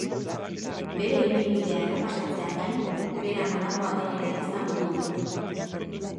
Bere ibilbidea errepasatzeaz gain, bera nolakoa den ere ezagutu dugu.